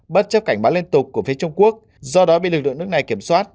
bất chấp cảnh báo liên tục của phía trung quốc do đó bị lực lượng nước này kiểm soát